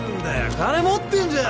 金持ってんじゃん。